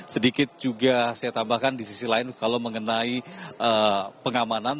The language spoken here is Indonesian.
sedikit juga saya tambahkan di sisi lain kalau mengenai pengamanan